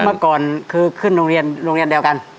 เมื่อก่อนคือขึ้นโรงเรียนโรงเรียนเดียวกัน